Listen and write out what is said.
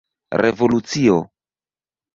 revolucio